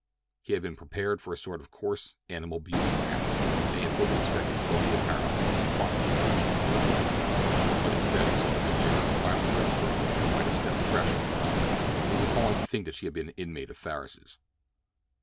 He had been prepared for a sort of coarse, animal beauty, perhaps, and he had fully expected gaudy apparel and quantities of cheap jewelry; but instead he saw a demure, quietly dressed girl who might have stepped fresh from a convent. It was appalling to think that she had been an inmate of Farris's.